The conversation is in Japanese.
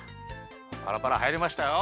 パラパラはいりましたよ。